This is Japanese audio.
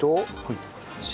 塩。